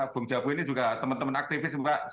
bung jabo ini juga teman teman aktivis mbak